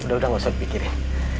sudah udah gak usah dipikirin